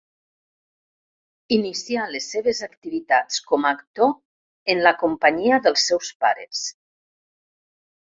Inicià les seves activitats com a actor en la companyia dels seus pares.